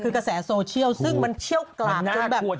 คือกระแสโซเชียลซึ่งมันเชี่ยวกรามจนแบบ